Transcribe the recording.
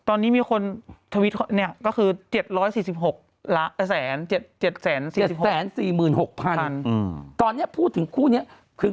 ตอนนี้มีคนก็คือ๗๔๖ละและ๑๐๐๐๑๗๔๖๐๐๐ตอนนี้พูดถึงครูเนี่ยคือ